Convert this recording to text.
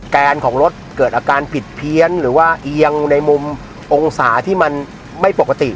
แกนของรถเกิดอาการผิดเพี้ยนหรือว่าเอียงในมุมองศาที่มันไม่ปกติ